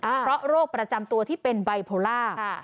เพราะโรคประจำตัวที่เป็นไบโพล่า